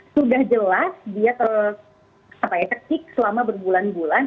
sudah jelas dia tercik selama berbulan bulan